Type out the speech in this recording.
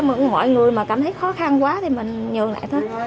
mọi người mà cảm thấy khó khăn quá thì mình nhường lại thôi